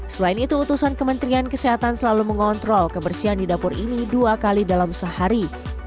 selain itu utusan kementerian kesehatan selalu mengontrol kebersihan di dapur ini dua kali dalam sehari